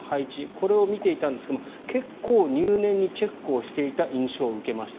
これを見ていたんですが結構、入念にチェックをしていた印象を受けました。